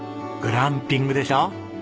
グランピングでしょ？